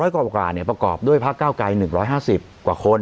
๓๐๐กว่ากว่าเนี่ยประกอบด้วยพักเก้าไกร๑๕๐กว่าคน